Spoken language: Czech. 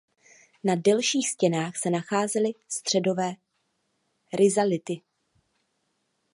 Na delších stěnách se nacházely středové rizality.